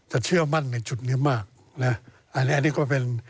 จะเชื่อมั่นในจุดนี้มากนะ